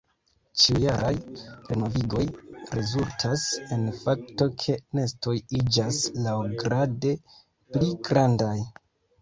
Ĉiujaraj renovigoj rezultas en fakto ke nestoj iĝas laŭgrade pli grandaj.